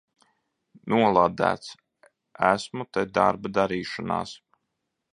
Nolādēts! Esmu te darba darīšanās!